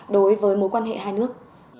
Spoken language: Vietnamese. đối với mối quan hệ hai nước